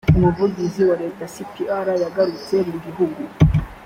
umuvugizi wa leta c p r yagarutse mu guhugu